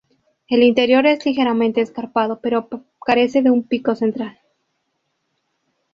El interior es ligeramente escarpado, pero carece de un pico central.